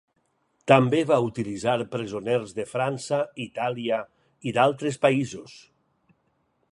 També va utilitzar presoners de França, Itàlia, i d'altres països.